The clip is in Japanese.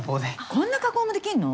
こんな加工もできんの？